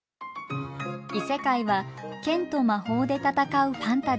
異世界は剣と魔法で戦うファンタジー。